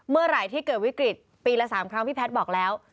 เมื่อไหร่ที่เกิดวิกฤตปีละ๓ครั้งพี่แพทย์บอกแล้ว